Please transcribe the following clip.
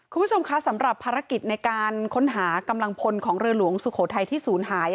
คุณผู้ชมคะสำหรับภารกิจในการค้นหากำลังพลของเรือหลวงสุโขทัยที่ศูนย์หาย